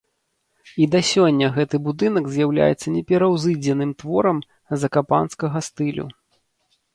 І да сёння гэты будынак з'яўляецца непераўзыдзеным творам закапанскага стылю.